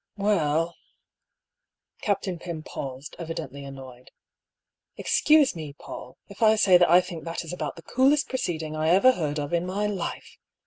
" Well " Captain Pym paused, evidently annoyed. " Excuse me, Paull, if I say that I think that is about the coolest proceeding I ever heard of in my life